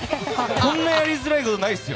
こんなやりづらいことないっすよ。